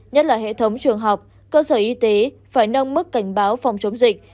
nhất là hệ thống trường học cơ sở y tế phải nâng mức cảnh báo phòng chống dịch